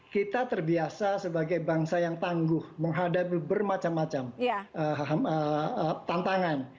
kita terbiasa sebagai bangsa yang tangguh menghadapi bermacam macam tantangan